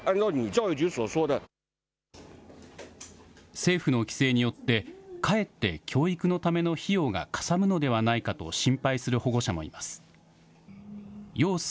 政府の規制によって、かえって教育のための費用がかさむのではないかと心配する保護者もいます。